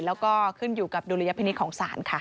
แล้วก็ขึ้นอยู่กับดุลยพินิษฐ์ของศาลค่ะ